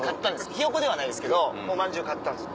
ひよ子ではないですけどおまんじゅう買ったんです。